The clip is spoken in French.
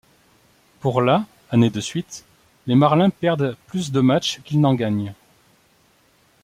Pour la année de suite, les Marlins perdent plus de matchs qu'ils n'en gagnent.